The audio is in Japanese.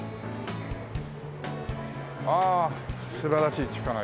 ああ素晴らしい地下街。